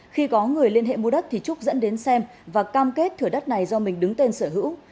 khi có người liên hệ mua đất thì trúc dẫn đến xem và cam kết thửa đất này do mình đứng tên sở hữu